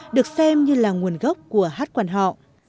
được xem như là nguồn gốc của hát quan họ